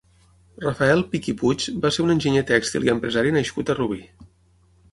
Rafael Pich i Puig va ser un enginyer tèxtil i empresari nascut a Rubí.